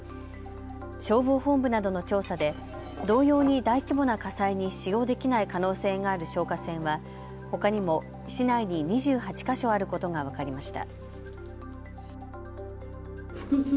消防本部などの調査で同様に大規模な火災に使用できない可能性がある消火栓はほかにも市内に２８か所あることが分かりました。